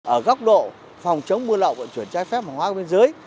ở góc độ phòng chống buôn lậu vận chuyển trái phép hàng hóa của đất dưới